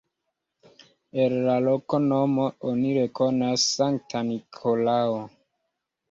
El la loknomo oni rekonas Sankta Nikolao.